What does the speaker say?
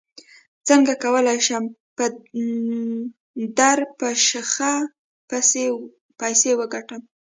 څنګه کولی شم په درپشخه پیسې وګټم